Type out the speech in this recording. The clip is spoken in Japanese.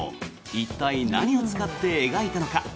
一体、何を使って描いたのか。